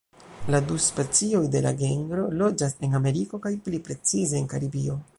La du specioj de la genro loĝas en Ameriko kaj pli precize en Karibio.